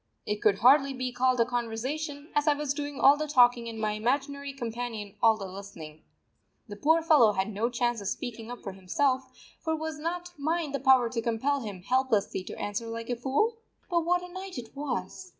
It could hardly be called a conversation, as I was doing all the talking and my imaginary companion all the listening. The poor fellow had no chance of speaking up for himself, for was not mine the power to compel him helplessly to answer like a fool? But what a night it was!